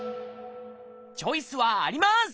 チョイスはあります！